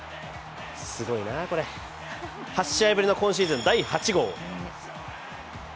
すごいな、これ８試合ぶりの今シーズン第８号。